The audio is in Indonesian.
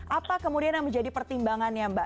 apa kemudian yang menjadi pertimbangannya mbak